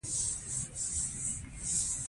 د تیارو بلا یې وینې دي چیښلې